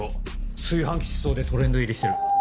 「炊飯器失踪」でトレンド入りしてる。